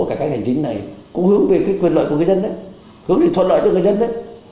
cái cách hành chính này cũng hướng về quyền lợi của người dân đấy hướng về thuận lợi cho người dân đấy